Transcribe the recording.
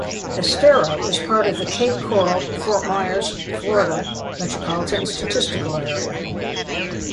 Estero is part of the Cape Coral-Fort Myers, Florida Metropolitan Statistical Area.